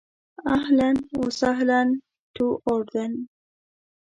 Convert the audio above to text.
اهلاً و سهلاً ټو اردن.